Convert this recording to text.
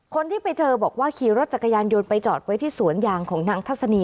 คนที่ไปเจอบอกว่าขี่รถจักรยานยนต์ไปจอดไว้ที่สวนยางของนางทัศนี